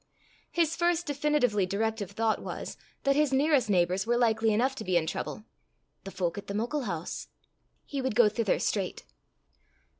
His first definitely directive thought was, that his nearest neighbours were likely enough to be in trouble "the fowk at the muckle hoose." He would go thither straight.